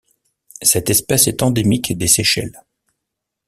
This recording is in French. Cette espèce est endémique des Seychelles.